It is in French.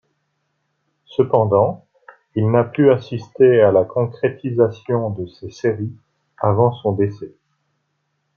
Cependant, il n'a pu assister à la concrétisation de ces séries avant son décès.